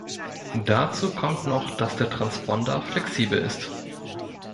Dazu kommt noch, dass der Transponder flexibel ist.